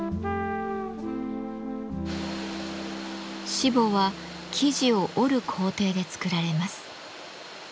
しぼは生地を織る工程で作られます。